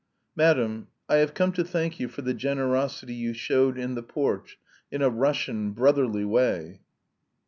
"Madam, I have come to thank you for the generosity you showed in the porch, in a Russian, brotherly way."